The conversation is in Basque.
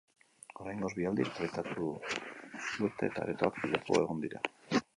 Oraingoz bi aldiz proiektatu dute, eta aretoak lepo egon dira.